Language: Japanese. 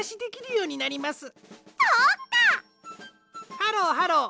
ハローハロー